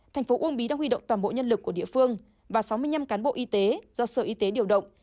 thành phố uông bí đã huy động toàn bộ nhân lực của địa phương và sáu mươi năm cán bộ y tế do sở y tế điều động